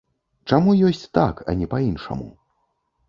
Чаму ёсць так, а не па-іншаму?